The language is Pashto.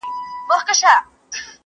هغه چي اوس زما په مخه راسي مخ اړوي ,